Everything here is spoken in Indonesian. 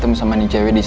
tau dari rafael